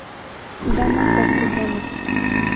Dama castellana.